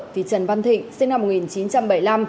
vì trần văn thịnh sinh năm một nghìn chín trăm bảy mươi năm